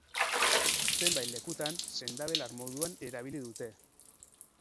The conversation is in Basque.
Zenbait lekutan, sendabelar moduan erabili dute.